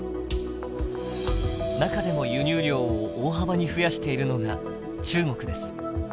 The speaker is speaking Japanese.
中でも輸入量を大幅に増やしているのが中国です。